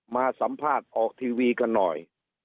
มาสัมภาษณ์ออกทีวีกันหน่อย